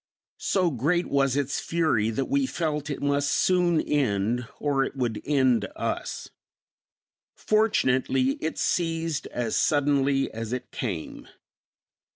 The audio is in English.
So great was its fury that we felt it must soon end or it would end us. Fortunately, it ceased as suddenly as it came.